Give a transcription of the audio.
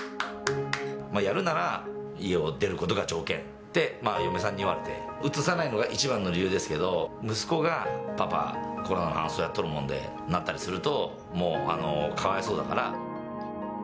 やるなら家を出ることが条件って、嫁さんに言われて、うつさないのが一番の理由ですけど、息子がパパ、コロナの搬送やっとるもんで、なったりするとかわいそうだから。